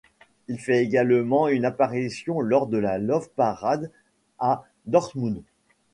Il fait également une apparition lors de la Love Parade à Dortmund.